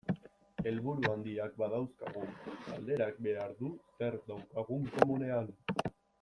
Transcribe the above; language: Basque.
Helburu handiak badauzkagu, galderak behar du zer daukagun komunean.